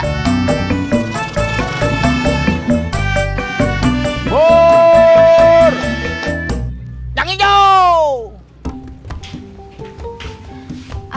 tidak ada yang bisa dikira